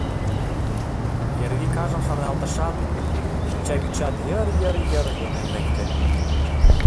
Эрвикажым шарналтышат, шинчавӱдшат йыр-йыр-йыр йоген лекте.